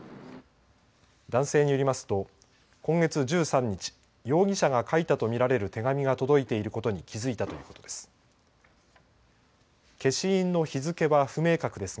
男性によりますと今月１３日容疑者が書いたと見られる手紙が届いていることに気付いたということです。